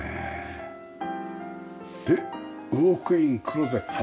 でウォークインクローゼット。